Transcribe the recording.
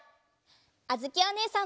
あづきおねえさんも。